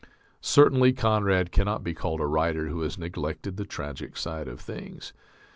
Certainly Conrad cannot be called a writer who has neglected the tragic side of things.